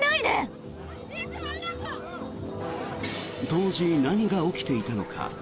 当時、何が起きていたのか。